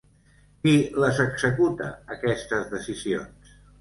Qui les executa, aquestes decisions?